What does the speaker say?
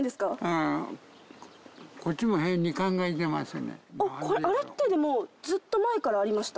うんあれってでもずっと前からありました？